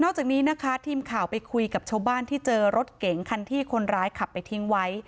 จากนี้นะคะทีมข่าวไปคุยกับชาวบ้านที่เจอรถเก๋งคันที่คนร้ายขับไปทิ้งไว้